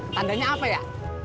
tandanya apa ya